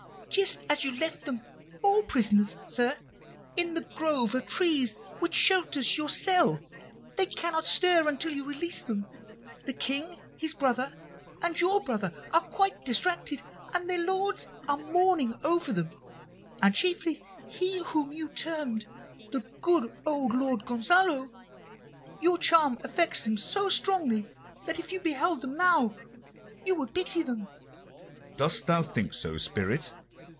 "Just as you left them all prisoners, sir, in the grove of trees which shelters your cell. They cannot stir until you release them. The King, his brother, and your brother are quite distracted, and their lords are mourning over them, and chiefly he whom you termed 'the good old lord Gonzalo.' Your charm affects them so strongly that if you beheld them now you would pity them." "Dost thou think so, spirit?"